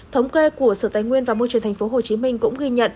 thống kê của sở tài nguyên và môi trường tp hcm cũng ghi nhận